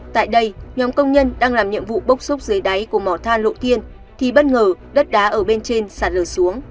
tại đây nhóm công nhân đang làm nhiệm vụ bốc xúc dưới đáy của mỏ than lộ thiên thì bất ngờ đất đá ở bên trên sạt lở xuống